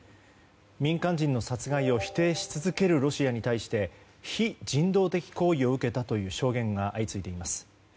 民間人の殺害を否定し続けるロシアに対して非人道的行為を受けたという証言が相次いでいます。